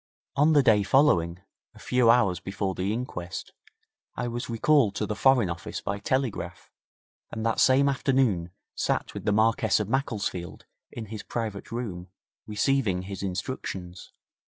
On the day following, a few hours before the inquest, I was recalled to the Foreign Office by telegraph, and that same afternoon sat with the Marquess of Macclesfield in his private room receiving his instructions.